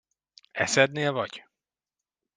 Eszednél vagy?